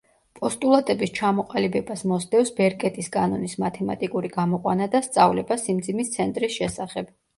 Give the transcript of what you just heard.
პოსტულატების ჩამოყალიბებას მოსდევს ბერკეტის კანონის მათემატიკური გამოყვანა და სწავლება სიმძიმის ცენტრის შესახებ.